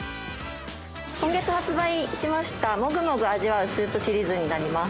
◆今月発売しました、もぐもぐ味わうスープシリーズになります。